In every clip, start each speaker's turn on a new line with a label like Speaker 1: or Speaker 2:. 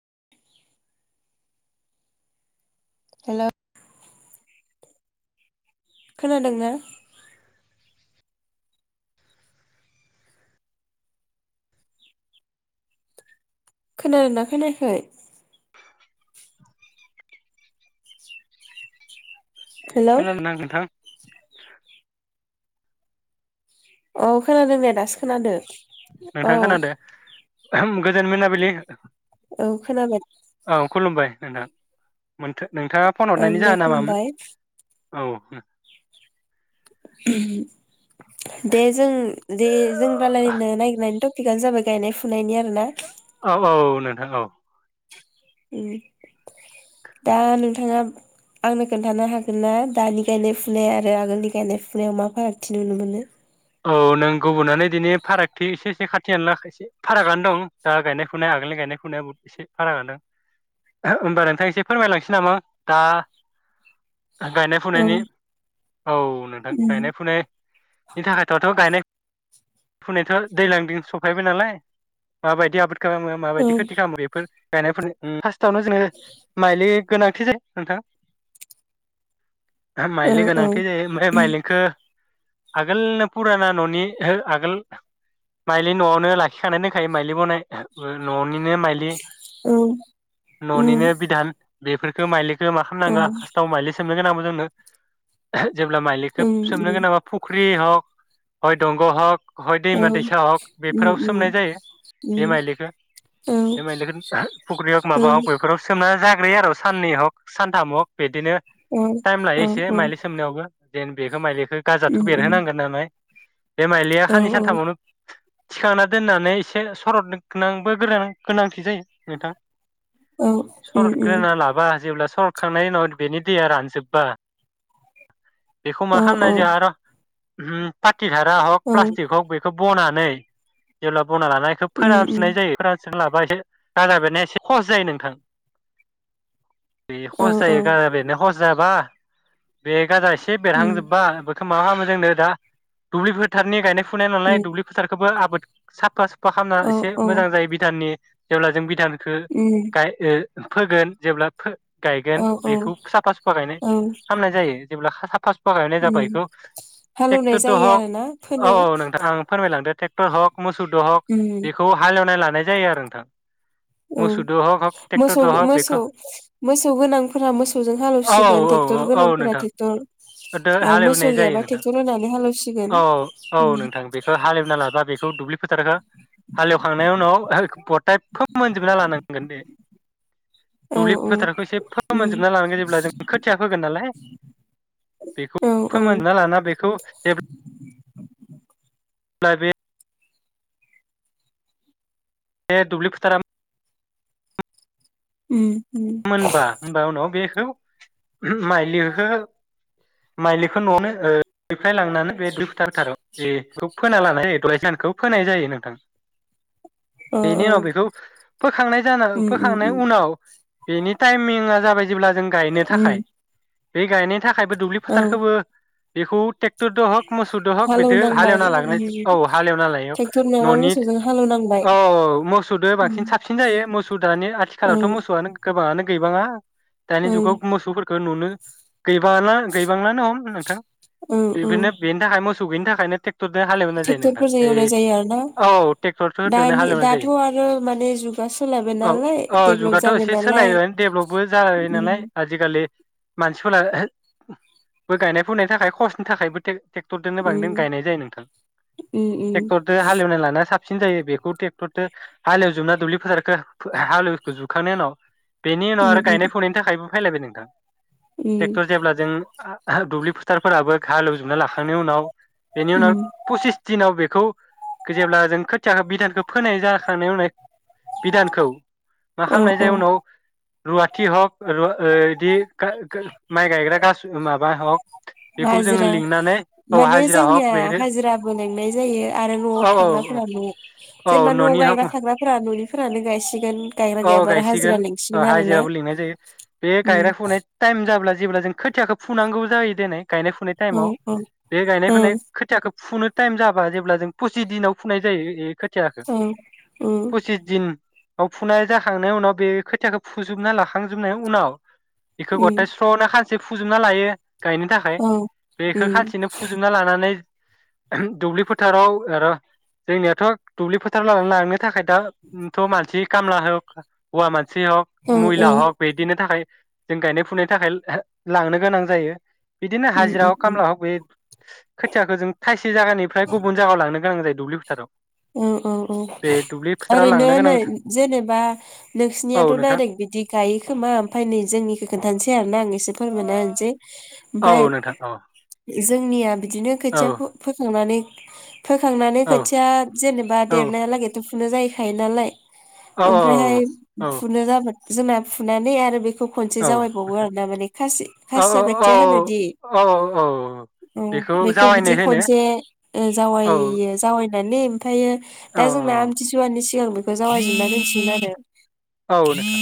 Speaker 1: [inaudible] हेल' खोनादोंना? खोनादोंना खोनायाखै?
Speaker 2: [inaudible]
Speaker 1: हेलौ
Speaker 2: खोनादोंना नोंथां?
Speaker 1: औ खोनादों दे दासो खोनादों औ
Speaker 2: नोंथां खानादों गोजोन मोनाबिलि
Speaker 1: औ खोनाबाय
Speaker 2: औ खुलुमबाय नोंथां मोनथो नोंथाङा फन
Speaker 1: ओं
Speaker 2: हरनायनि
Speaker 1: दे
Speaker 2: जाहोन मामोन?
Speaker 1: खुलुमबाय
Speaker 2: औ ओ
Speaker 1: [unintelligible] दे जों दे जों रालायनो नागिरनानै दं थिगानो जाबाय गायनाय फुनायनि आरो ना
Speaker 2: हेल'
Speaker 1: दा नोंथाङा आंनो खोन्थानो हागोन ना दानि गायनाय फुनाय आरो आगोलनि गायनाय फुनायाव मा फारागथि नुनो मोनो
Speaker 2: औ नों गुबुननानै दिनै फारागथि एसे एसे खाथि खानला एसे फारागआनो दं दा गायनाय फुनाय आगोलनि गायनाय फुनाया बहुत एसे फारागानो होमबा नोंथां एसे फोरमायलांनोसै नामा दा गायनाय
Speaker 1: औ
Speaker 2: फुनायनि औ नोंथां
Speaker 1: उम
Speaker 2: गायनाय फुनाय दाथ' गायनाय फुनायथ' दैज्लां दिन सफैबाय नालाय माबायदि आब खालामो
Speaker 1: औ
Speaker 2: माबायदि खोथि खालामो बेफोर गायनायफोर उम फारसावनो जोङो माइलि गोनांथि जायो नोंथां ओ
Speaker 1: औ
Speaker 2: माइलि
Speaker 1: औ
Speaker 2: गोनांथि जायो ओमफ्राय माइलिखो आगोलनो फुराना न'नि आगोल माइलि न'आवनो लाखिखानाय दोनखायो माइलि बनायनो न'नि नि माइलि
Speaker 1: औ उम
Speaker 2: न'निनो बिधान बेफोर खोमाइलि खो मा
Speaker 1: औ
Speaker 2: खामनांगो फारस्टाव माइलि सोमनो गोनां [unintelligible] जेब्ला माइलिखो
Speaker 1: उम
Speaker 2: सोमनो
Speaker 1: उम
Speaker 2: गोनांल्बा फु ख्रि हक हय दंग' हक हय
Speaker 1: औ
Speaker 2: दैमा दैसा हक
Speaker 1: उम
Speaker 2: बेफोराव सोमनाय
Speaker 1: उम
Speaker 2: जायो
Speaker 1: उम
Speaker 2: बे माइलिखो
Speaker 1: औ
Speaker 2: बे माइलिखो फुख्रि हग
Speaker 1: औ
Speaker 2: माबा हक बेफोराव सोमना [unintelligible] आरो साननै हक सानथाम हग बेदिनो
Speaker 1: औ
Speaker 2: टाइम लायो
Speaker 1: औ
Speaker 2: एसे
Speaker 1: औ
Speaker 2: माइलि सोमनायावबो देन बेखौ माइलिखो थ'
Speaker 1: उम उम
Speaker 2: बेरहोनांगोन नालाय। बे माइलिया
Speaker 1: औ
Speaker 2: खाननै सानथामावनो थिखांना दोननानै एसे सरदनांबो गोनांथि जायो । नोंथां
Speaker 1: औ उम उम
Speaker 2: सरतग्रोना लाबा जेब्ला सरतखांनायनि उनाव बेनि दैया रानजोबबा बेखौ मा
Speaker 1: औ औ
Speaker 2: खालामनाय जाया र' [inaudible] [unintelligible] धारा हक
Speaker 1: औ
Speaker 2: प्लास्टिक हक बेखौ बनानै जेला बना लानायखौ
Speaker 1: उम
Speaker 2: फोरान
Speaker 1: उम
Speaker 2: सुननाय जायो फोरा लाबा एसे गाजा बेरनाया एसे खहस जायो नोंथां। बे
Speaker 1: औ
Speaker 2: खहस
Speaker 1: औ
Speaker 2: जायो गाजा बेरनो खहस जाबा बे गाजा एसे
Speaker 1: उम
Speaker 2: बेरहांजोबा माबा खालामो जोंनो दा दुब्लि फोथारनि गायनाय फुनाय नालाय
Speaker 1: उम
Speaker 2: दुब्लि फोथारखौबो आबाद साफा खामना
Speaker 1: औ
Speaker 2: एसे
Speaker 1: औ
Speaker 2: मोजां जायो बिधाननि जेब्ला जों बिधान खो‌
Speaker 1: उम
Speaker 2: गाय ओ फोगोन जेब्ला फो
Speaker 1: औ
Speaker 2: गायगोन
Speaker 1: औ
Speaker 2: बेखौ साफा सुफा गायनाय खामनाय जायो जेब्ला साफा सुफा गायनाय जाबाय बेखौ
Speaker 1: हालौवनाय
Speaker 2: ट्रेक्टरजों
Speaker 1: जायो आरोना फोनो
Speaker 2: [unintelligible] मोसौदो
Speaker 1: उम
Speaker 2: हक बेखौ हालेवना लान नाय जायो आरो नोंथां।
Speaker 1: औ
Speaker 2: मोसौजों हक हक ट्रेक्टरजों हक बेखौ
Speaker 1: मोसौ-मोसौ-मोसौ गोनांफोरा मोसौजों
Speaker 2: औ औ
Speaker 1: हालौवसिगोन
Speaker 2: औ
Speaker 1: टेक्टर
Speaker 2: औ औ
Speaker 1: गोनांफोरा टेक्टर
Speaker 2: नोंथां
Speaker 1: आरो मोसौ
Speaker 2: हालेवनाय जायो
Speaker 1: गैयाबा
Speaker 2: नोंथां
Speaker 1: ट्रेक्टर होनानै हालेवसिगोन
Speaker 2: औ-औ-औ नोंथां बेखौ हालेवना लाबा बेखौ दुब्लि फोथारखो हालेवखांनायनि उनाव [unintelligible]
Speaker 1: औ
Speaker 2: दुब्लि
Speaker 1: औ
Speaker 2: फोथारखौ एसे
Speaker 1: उम
Speaker 2: फोमोनजोबना लानांगोन जेब्ला जों खोथिया फोगोन नालाय बेखौ
Speaker 1: औ औ
Speaker 2: फोमोनना लाना बेखौ जेब ब्ला बे बे दुब्लि फोथारा
Speaker 1: उम उम
Speaker 2: मोनबा होनबा उनाव बे [unintelligible] माइलिखो-माइलिखो न'आवनो फाय लांनान [unintelligible] फोना लानाय जायो [unintelligible] [unintelligible] फोनाय जायो नोंथां।
Speaker 1: अ औ
Speaker 2: बेनि उनाव बेखौ फोखांनाय जानो
Speaker 1: उम उम
Speaker 2: फोखांनाय
Speaker 1: उम
Speaker 2: उनाव बेनि टाइमिंआ जाबाय जेब्ला जों गायनो
Speaker 1: उम
Speaker 2: थाखाय बे गाइनो थाखायबो दुब्लि
Speaker 1: औ
Speaker 2: फोथारखोबो बेखौ टेक टदो हग मोसौदो हक बिदो
Speaker 1: हालेवनांबाय
Speaker 2: हालेवना लाग्रोनाय
Speaker 1: उम
Speaker 2: औ हालेवना लायो
Speaker 1: ट्रेक्टर नङाबा
Speaker 2: ननि
Speaker 1: मोसौजों हालेवनांबाय
Speaker 2: औ-औ मोसौदो बांसिन साबसिन जायो मोसौ दानि आथिखालावथ
Speaker 1: ओं
Speaker 2: मोसौआनो आनो गैबाङा। दानि
Speaker 1: ओं
Speaker 2: जुगाव मोसौफोर गो नुनो गैबाला गैबांलानो हम नोंथां। बिबिनो बेनि थाखाय मोस सौगैनि थाखायनो टेक
Speaker 1: टेक्टरफोरजों एवनाय जायो आरोना
Speaker 2: औ ट्रेक्टरफोरजोंनो
Speaker 1: दानि
Speaker 2: हालेवनाय
Speaker 1: दाथ
Speaker 2: जायो
Speaker 1: आरो माने जुगा सोलायबाय
Speaker 2: औ
Speaker 1: नालाय
Speaker 2: औ
Speaker 1: डेभलप
Speaker 2: जुगाथ'
Speaker 1: जाबाय
Speaker 2: एसे
Speaker 1: ना
Speaker 2: सोलायबाय डेभलपबो जाबाय नालाय आजिखालि मानसिफोरा बो गायनाय फुनायनि थाखाय खहसनि थाखायबो टेक ट्रेक्टरदोनो बांदिन
Speaker 1: उम
Speaker 2: गायनाय जायो नोंथां
Speaker 1: उम उम
Speaker 2: ट्रेक्टरजों हालेवनाय लाना साब साबसिन जायो बेखौ ट्रेक्टरदो, हालेवजोबना दुब्लि फोथारखो हालेवखो जोबखांनायनि उनाव। बेनि उनाव आरो
Speaker 1: उम उम
Speaker 2: गायनाय फुनायनि थाखायबो फायलायबाय नोंथां।
Speaker 1: उम
Speaker 2: ट्रेक्टर जेब्ला जों आ दुब्लि फोथारफोराबो हालौजोबना लाखांनायनि उनाव। बेनि उनाव
Speaker 1: उम
Speaker 2: पसिस दिनाव बेखौ। जेब्ला जों खोथियाखौ बिधानखौ फोनाय जाखांनाय उनाय। बिधानखौ मा
Speaker 1: औ
Speaker 2: खामनाय
Speaker 1: औ
Speaker 2: जाय उनाव। रुवाथि हक र यैदि गा गा माइ गायग्रा गास माब बा हक। बेखौ जोङो
Speaker 1: हाजिरा,
Speaker 2: लिंनानै औ
Speaker 1: माने
Speaker 2: हाजिरा हक
Speaker 1: जोंनिया
Speaker 2: बे
Speaker 1: हाजिराबो लेंनाय जायो। आरो नआव
Speaker 2: औ औ औ
Speaker 1: थाग्राफोरानो
Speaker 2: औ
Speaker 1: जेनेबा नआव
Speaker 2: न'नि हक
Speaker 1: गायग्रा थाग्राफोरा ननिफोरानो गायसिगोन। गायग्रा
Speaker 2: औ
Speaker 1: गैयाबा आरो
Speaker 2: गायसिगोन
Speaker 1: हाजिरा लेंसि
Speaker 2: ओ हाजिराबो लिंनाय जायो, बे गायग्रा फुनाय टाइम। जाब्ला जेब्ला जों खोथियाखौ फुनांगौ जायो देनाय। गायनाय फुनाय
Speaker 1: औ
Speaker 2: टाइमाव
Speaker 1: औ
Speaker 2: बे गायनाय
Speaker 1: औ
Speaker 2: फुनाय खोथियाखौ। फुनो टाइम जाबा जेब्ला जों पसिस दिनाव फुनाय जायो। थियाखो,
Speaker 1: औ उम
Speaker 2: पसिस दिन। औ फुनाय जाखांनायनि उनाव बे खोथाखौ फुजोबना लाखांजोबनायनि उनाव। बेखौ
Speaker 1: उम
Speaker 2: गथाय स्रनो खाज एसे फोजोबना लायो। गायनो थाखाय
Speaker 1: औ
Speaker 2: बेखौ
Speaker 1: उम
Speaker 2: खानसेनो फुजोबना लानानै। दुब्लि फोथाराव आर जोंनियाथ दुब्लि फोथाराव लां लांनो। थाखाय दाथ' मानसि खालाहो हुवामानसि सि हक,
Speaker 1: औ औ
Speaker 2: महिला हक बेदिनो थाखायाय। जों गायनाय फुनायनि थाखाय लांनो गोनां जायो। बिदिनो
Speaker 1: उम
Speaker 2: हाजिरा
Speaker 1: उम
Speaker 2: हक,
Speaker 1: उम
Speaker 2: खामला हक बे खोथियाखौ जों थाइसे जायगानिफ्राय गुबुन जगायाव लांनो गोनां जायो। दुब्लि फोथाव।
Speaker 1: औ औ औ ओरैनो
Speaker 2: लांनो
Speaker 1: नै
Speaker 2: गोनां
Speaker 1: जेनेबा नों
Speaker 2: औ
Speaker 1: सिनयाथ'
Speaker 2: नोंथां
Speaker 1: डाइरेक्ट बिदि गायो खोमा ओमफ्राय नै जोंनिखौ खोन्थानोसै आरोना आं एसे फोरमाना होनसै।
Speaker 2: औ
Speaker 1: ओमफ्राय
Speaker 2: नोंथां औ
Speaker 1: जोंनिया बिदिनो खोथियाखौ फोखां मने फोखांनानै
Speaker 2: औ
Speaker 1: खोथिया जेनेबा
Speaker 2: औ
Speaker 1: देरनाया लागैथ जाहैखायो नालाय
Speaker 2: औ
Speaker 1: ओमफ्रायहाय
Speaker 2: औ
Speaker 1: फुनो जाबाय। जोंना फुनानै आरो बेखौ खनसे
Speaker 2: औ
Speaker 1: जावायबावो आरोना माने खा खासिया
Speaker 2: औ
Speaker 1: खोथिया होनोदि
Speaker 2: औ औ
Speaker 1: औ बेखौ
Speaker 2: जावायनाय
Speaker 1: बिदि
Speaker 2: होनो
Speaker 1: खनसे जावै
Speaker 2: औ
Speaker 1: [unintelligible] ओमायो
Speaker 2: औ
Speaker 1: दाय जोंना आमथिसुआनि सिगां बेखौ जावै जोबनादोनसिगोन आरो
Speaker 2: औ नोंथां।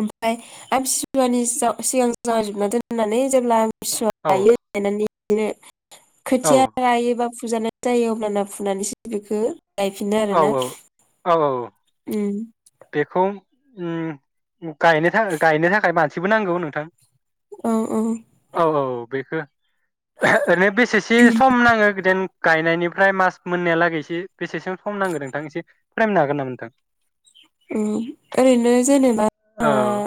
Speaker 1: ओमफफ्राय आम सिसुवानि सिगां जाजोबना दोननानै जेब्ला सुइ
Speaker 2: औ
Speaker 1: बायो बायनानै [unintelligible] खुथिया रायोब्ला फुजान जायो अब्लाना फुनानैसो बेखौ। गायफिनो आरो
Speaker 2: औ
Speaker 1: ना
Speaker 2: औ
Speaker 1: ओम ।
Speaker 2: उ गायनो गायनो थाखाय मानसिबो नांगौ नोंथां।
Speaker 1: औ औ
Speaker 2: औ औ बेखौ ओरैनो बेसेसे सम नाङो बिदिनो गायनायनि फ्राय मास मोननायालागैसे बेसेसो सम नांगोन नोंथां एसे फोरमायनो हागोन नामा नोंथां?
Speaker 1: उम ओरैनो जेनेबा
Speaker 2: औ।
Speaker 1: ओ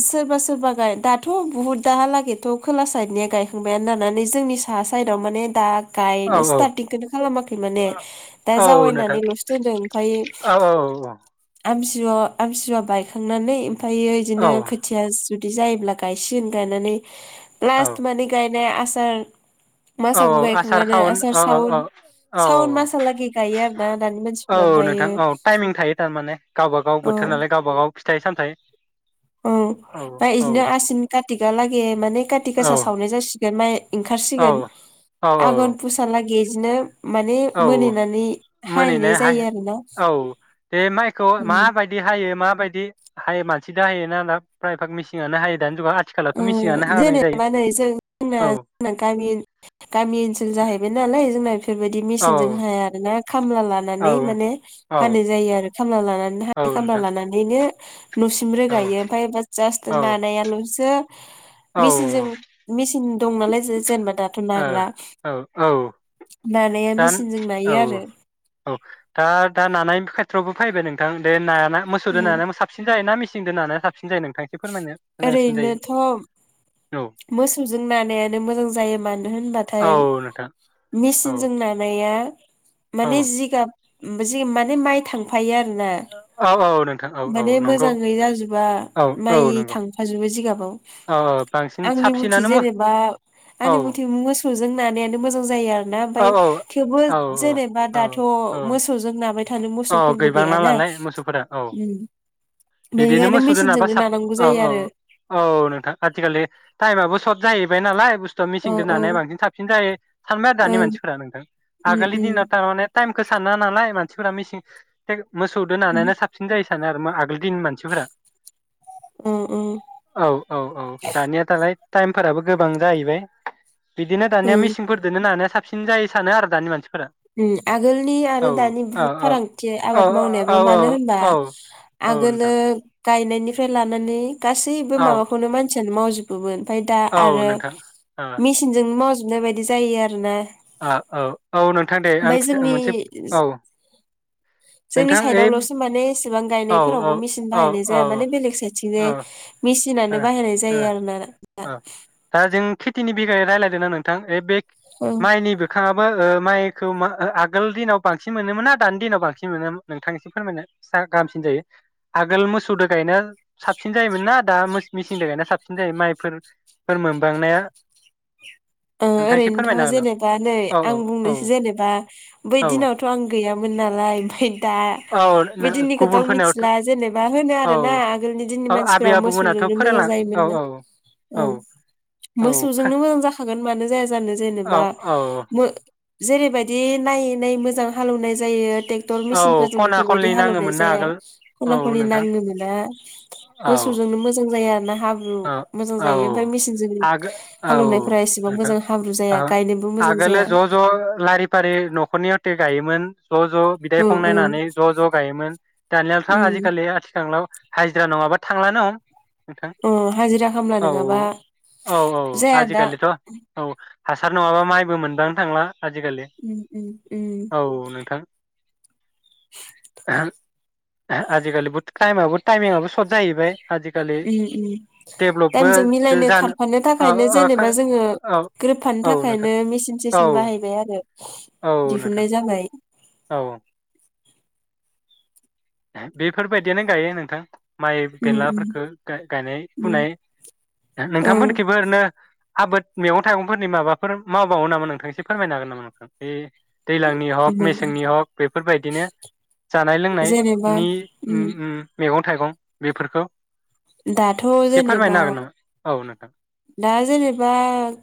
Speaker 1: सोरबा सोरबा गाय दाथ' बुहुद दाहालागैथ' खोला साइदनिया गायखांबायानो होननानै जोंनि साहा साइदआव माने दा
Speaker 2: औ
Speaker 1: गायनो स्टारथिंखौनो खालामाखै माने
Speaker 2: औ
Speaker 1: दा
Speaker 2: औ नोंथां
Speaker 1: जावायनानैल'सो दोनदों ओमफ्राय
Speaker 2: औ औ
Speaker 1: आमस सुवा आमथिसुवा बायखांनानै ओमफ्रायो
Speaker 2: औ
Speaker 1: बिदिनो खोथिया जुदि जायोब्ला गायसिगोन गायनानै
Speaker 2: औ
Speaker 1: लास माने गाय ने आसार
Speaker 2: औ औ
Speaker 1: मासावबो
Speaker 2: आसार
Speaker 1: गायखाङानो
Speaker 2: सावन
Speaker 1: आसार
Speaker 2: औ औ
Speaker 1: सावन
Speaker 2: औ
Speaker 1: सावन
Speaker 2: औ
Speaker 1: मासालागै गायो आरो ना दानि मानसिफ्रा
Speaker 2: औ नोंथां
Speaker 1: ओमफ्रायो
Speaker 2: औ टाइमिं थायो थारमाने गावबा गाव
Speaker 1: औ
Speaker 2: बोथोर नालाय गावबा गाव फिथाइ सामथाय
Speaker 1: औ ओमफ्राय बिदिनो आसिन कातिकालागै माने
Speaker 2: औ
Speaker 1: कातिगासा सावनाय जासिगोन माइ ओंखारसिगोन
Speaker 2: औ औ
Speaker 1: आघोन
Speaker 2: औ
Speaker 1: फुसा लागै बिदिनो माने
Speaker 2: औ
Speaker 1: मोनहैनानै हाहैनाय जायो
Speaker 2: मोनहैनाय
Speaker 1: आरोना
Speaker 2: औ बे माइखौ माबायदि हायो मा दि हायो मानसि जों हायोना दा फ्राय भाग मेसिनानो हायो दानि जुगाव आथिखालावथ' मिसिनानो
Speaker 1: उम
Speaker 2: हानाय जायो
Speaker 1: जेनेबा नै जों ना
Speaker 2: औ
Speaker 1: जोंना गामि गामि ओनसोल जाहैबाय नालाय जोंना बेफोरबायदि बिदि मेसिन जों
Speaker 2: औ
Speaker 1: हाया आरो ना खामला
Speaker 2: औ
Speaker 1: लानानै माने
Speaker 2: औ
Speaker 1: हानाय जायो आरो खामला ला लाना
Speaker 2: औ
Speaker 1: खामला
Speaker 2: नोंथां
Speaker 1: लानानैनो न'सिम
Speaker 2: औ
Speaker 1: रोगायो ओमफ्राय जास्त
Speaker 2: औ
Speaker 1: नानायाल'
Speaker 2: औ
Speaker 1: मेसिनजों
Speaker 2: ओ
Speaker 1: मेसिन दं नालाय जे जेनेबा दाथ'
Speaker 2: ओ
Speaker 1: नाग्रा
Speaker 2: औ औ
Speaker 1: नानाया
Speaker 2: दा
Speaker 1: मेसिनजों
Speaker 2: औ
Speaker 1: नायो आरो
Speaker 2: औ दा दा नानाय खेथ्रयावबो फैबाय नोंथां दे नाया मोसौजों नानाया साबसिन जायो ना मेसिन सिनजों नानाया साब सिन जायो नोंथां एसे फोरमायनो मोजांसिन
Speaker 1: ओरैनोथ'
Speaker 2: जायो
Speaker 1: मोसौजों नानायानो मोजां जायो मानो
Speaker 2: औ
Speaker 1: होनबाथाय
Speaker 2: नोंथां औ
Speaker 1: मेचिनजों नानाया
Speaker 2: औ
Speaker 1: माने जिगाब उम जि माने माइ थांफायो आरो ना
Speaker 2: औ औ नोंथां औ औ
Speaker 1: माने
Speaker 2: नंगौ
Speaker 1: मोजाङै जाजोबा
Speaker 2: औ औ
Speaker 1: माइ
Speaker 2: नंगौ
Speaker 1: थां फाजोब बेजिगाबाव
Speaker 2: औ औ टां
Speaker 1: आंनि मथि जेनेबा
Speaker 2: औ
Speaker 1: आंनि मथि मोसौजों नानायानो मोजां जायो आरो ना
Speaker 2: औ
Speaker 1: ओमफफ्राय थेवबो
Speaker 2: औ
Speaker 1: जेनेबा दाथ' मोसौजों नाबाय थानो
Speaker 2: अह
Speaker 1: मोसौफोरबो गैयाना
Speaker 2: गैबांनानालाय मोसौफोरा औ
Speaker 1: उम
Speaker 2: बिदिनो
Speaker 1: बेनिखायनो
Speaker 2: मोसौदो नाबा
Speaker 1: मेचिनजोंनो
Speaker 2: साफ
Speaker 1: नानांगौ
Speaker 2: औ
Speaker 1: जायो
Speaker 2: औ
Speaker 1: आरो
Speaker 2: औ नोंथां आथिखाललि टाइमाबो सथ जाहैबाय नालाय बुस थ'
Speaker 1: औ
Speaker 2: मिसिंदो
Speaker 1: औ
Speaker 2: नानाया बांसिन थाबसिन जायो सानबाय आरो दानि
Speaker 1: ओं
Speaker 2: मानसिफोरा नोंथां
Speaker 1: उम
Speaker 2: आगोलनि दिनाव
Speaker 1: उम
Speaker 2: थारमाने टाइमखौ साना नालाय मान फ्रा मिसिं टेक मोसौदो नानायना साबसिन जायो। सानो‌ आरोमा आगोल दिन मानसिफोरा
Speaker 1: अ
Speaker 2: औ औ औ दानिया दालाय टाइमफोराबो गोबां जाहैबाय। बिदिनो दानिया
Speaker 1: ओं
Speaker 2: मिसिंफोरदोनो नानाया साबसिन। सिन जायो सानो आरो दानि मानसि
Speaker 1: उम आगोलनि आरो दानि
Speaker 2: औ
Speaker 1: बहुद
Speaker 2: औ
Speaker 1: फारांथि
Speaker 2: औ
Speaker 1: आबाद
Speaker 2: औ
Speaker 1: मावनायाबो मानो होनबा
Speaker 2: औ औ
Speaker 1: आगोलो
Speaker 2: नोंथां
Speaker 1: गायनायनिफ्राय लानानै गासैबो
Speaker 2: औ
Speaker 1: माबाखौनो मानसि मावजोबोमोन ओमफाय दा
Speaker 2: औ
Speaker 1: आरो
Speaker 2: नोंथां ओ
Speaker 1: मिसिनजों मावजुब नो बायदि जायो आरो ना।
Speaker 2: ओ औ नोंथां दे आं
Speaker 1: ओमफाय
Speaker 2: खिथा
Speaker 1: जोंनि
Speaker 2: मोनसे औ
Speaker 1: जोंनि
Speaker 2: नोंथां ओइ
Speaker 1: साइदआवल'सो माने एसेबां
Speaker 2: औ औ
Speaker 1: गायनायफोरावबो मिसिन
Speaker 2: औ
Speaker 1: बाहायनाय जाया
Speaker 2: औ
Speaker 1: माने बेलेग साइडथिंजाय
Speaker 2: ओ
Speaker 1: मि तिनानो
Speaker 2: ओ
Speaker 1: बाहायनाय जायो आरो ना दा
Speaker 2: टिनि बिगायै रायलायदो ना नोंथां ओइ बे
Speaker 1: ओ
Speaker 2: माइनिबो खाब बो ओ माइखौ मा ओ आगोल दिनाव बांसिन मोनोमोनना दानि दिनाव बांसिन मोनोमोन नोंथां इसे फोरमायनाय सा गाहामसिन जायो। आगोल मोसौदो गायनाया साबसिन जायोमोन ना दा मोस मिसिनदो गायनाया साबसिन जायो माइफोरफोर फोर मोनबांनाया?
Speaker 1: ओ
Speaker 2: नोंथाङा एसे
Speaker 1: ओरैनोथ'
Speaker 2: फोरमायनो
Speaker 1: जेनेबा नै
Speaker 2: हागोन
Speaker 1: आं
Speaker 2: नामा? औ
Speaker 1: बुंनोसै जेनेबा बै दिनावथ' आं गैया मोन नालाय ओमफाय दा
Speaker 2: औ
Speaker 1: बे
Speaker 2: औ औ
Speaker 1: दिननिखौथ' आं
Speaker 2: गुबुनफोरनियावथ'
Speaker 1: मिथिला जेनेबा होनो
Speaker 2: औ
Speaker 1: आरोना आगोलनि दिननि
Speaker 2: औ आबै
Speaker 1: मानसिफोरा
Speaker 2: आबौमोनाथ'
Speaker 1: मोसौजोंनो मोजां
Speaker 2: फोरोंलां
Speaker 1: जायोमोन
Speaker 2: औ
Speaker 1: ना, औ
Speaker 2: औ
Speaker 1: मोसौजोंनो मोजां जाखा गोन मानो जया जा जानो जेनेबा
Speaker 2: औ औ
Speaker 1: मो जेरैबायदि नायै नायै मोजां हालोवनाय जायो। टेक्टर
Speaker 2: औ
Speaker 1: मेसिनफोरजों
Speaker 2: खना
Speaker 1: बेफोरबायदि
Speaker 2: खनलि
Speaker 1: हालौवनाय
Speaker 2: नाङोमोन ना
Speaker 1: जाया
Speaker 2: आगोल
Speaker 1: खना
Speaker 2: औ
Speaker 1: खनि
Speaker 2: नोंथां
Speaker 1: नांनो मोना
Speaker 2: औ
Speaker 1: मोसौजोंनो मोजां जाया आरोना हाब्रु
Speaker 2: औ
Speaker 1: मोजां
Speaker 2: औ
Speaker 1: जायो ओमफाय मेचिनजों
Speaker 2: आगो औ
Speaker 1: हालौवनाय
Speaker 2: नोंथां ओ आगोलो
Speaker 1: जाया
Speaker 2: ज' ज' लारि फारि न'खरनिया ते गायोमोन। ज' ज' बिदा
Speaker 1: उम
Speaker 2: बिफं
Speaker 1: उम
Speaker 2: नायनानै ज' ज' गायोमोन दानियाथ'
Speaker 1: उम
Speaker 2: आजिखालि आथिखालाव हाजिरा नङाबा थांलानो हम
Speaker 1: अ हाजिरा खामला
Speaker 2: औ
Speaker 1: नङाबा
Speaker 2: औ औ
Speaker 1: जाया दा
Speaker 2: आजिखालिथ' औ हासार नङाबा माइबो मोनदांनो थांला। आजिखालि
Speaker 1: उम उम
Speaker 2: औ
Speaker 1: उम
Speaker 2: नोंथां। [unintelligible] आजिखालि बुत टाइमाबो टाइमिंआबो सर्ट जाहैबाय। आजिखालि
Speaker 1: उम उम
Speaker 2: डेभलपबो
Speaker 1: टाइमजों मिलायनो
Speaker 2: जानो
Speaker 1: खारफानो
Speaker 2: औ
Speaker 1: थाखायनो
Speaker 2: औ
Speaker 1: जेनेबा जोङो
Speaker 2: औ
Speaker 1: ग्रोबफानो
Speaker 2: औ नोंथां
Speaker 1: थाखायनो मेचिन
Speaker 2: औ
Speaker 1: सेचिन बाहायबाय आरो
Speaker 2: औ नोंथां
Speaker 1: दिहुननाय जाबाय।
Speaker 2: औ हा बेफोरबायदियानो गायो नोंथां। माइ
Speaker 1: उम उम
Speaker 2: बेलाफोरखो गाय गायनाय
Speaker 1: उम
Speaker 2: फुनाय हा
Speaker 1: औ
Speaker 2: नोंथांमोनखिबो ओरैनो आबाद मैगं थाइगंफोरनि माबाफोर मावबावो नामा नोंथां एसे फोरमायनो हागोन नामा नोंथां बे दैलांनि हक मेसेंनि हक बेफोरबायदिनो जानाय लोंनाय
Speaker 1: जेनेबा
Speaker 2: नि उम उम मेगन थाइगं बेफोरखौ
Speaker 1: दाथ'
Speaker 2: एसे
Speaker 1: जेनेबा
Speaker 2: फोरमायनो हागोन नामा औ नोंथां
Speaker 1: दा जेनेबा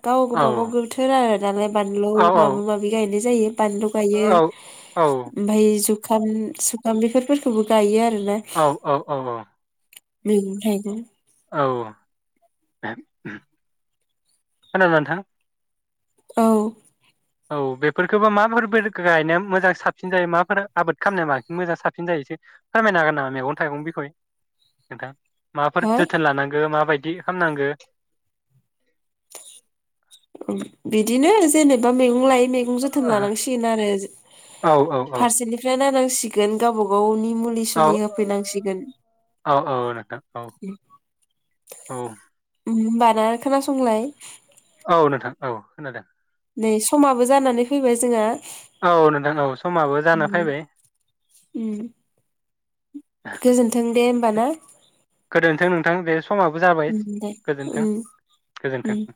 Speaker 1: गाव
Speaker 2: औ
Speaker 1: गावबागाव गोथोर आरो दालाय बानलौ
Speaker 2: औ
Speaker 1: माबा माबि गायनो ज जायो। बानलु गायो
Speaker 2: औ औ
Speaker 1: ओमफाय जुग खाम सुखाम बेफोर फोरखौबो गायो आरो
Speaker 2: औ औ औ अ
Speaker 1: मेगं थाइगं
Speaker 2: औ ओम उम खोनादो नोंथां
Speaker 1: औ।
Speaker 2: औ बेफोरखोबा मा फोरमायनो गायनाया मोजां साबसिन जायो माफोरा आबाद खामनाया बांसिन मोजां साबसिन जायो एसे फोरमायनो हागोन नामा मेगन थाइगं बिखय नोंथां? माफोर
Speaker 1: हा
Speaker 2: जोथोन लानांगो माबायद बि खामनांगो।
Speaker 1: ओम बिदिनो जेनेबा मैगं लाय मेगं जोथोन लानांसिगोन आरो जो
Speaker 2: औ औ
Speaker 1: फारसेनिफ्राय नानां सिगोन गावबा गावनि मुलि
Speaker 2: औ ओ
Speaker 1: सुलि होफैनांसिगोन
Speaker 2: औ औ नोंथां औ औ।
Speaker 1: उम बाना खोनासंलाय
Speaker 2: औ नोंथां औ खोनादों।
Speaker 1: नै समाबो जानानै फैबाय जोंहा।
Speaker 2: औ नोंथां औ समाबो जाना फैबाय।
Speaker 1: गोजोनथों [unintelligible]
Speaker 2: गोदोन्थों नोंथां बे समाबो जाबाय
Speaker 1: उम दे उम उम।
Speaker 2: गोजोनथों-गोजोनथों। [inaudible]